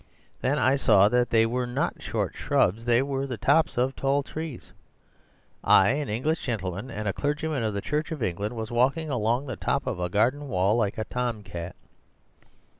Then I saw that they were not short shrubs; they were the tops of tall trees. I, an English gentleman and clergyman of the Church of England—I was walking along the top of a garden wall like a tom cat.